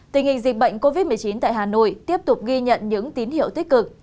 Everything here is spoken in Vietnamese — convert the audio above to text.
tình hình dịch bệnh covid một mươi chín tại hà nội tiếp tục ghi nhận những tín hiệu tích cực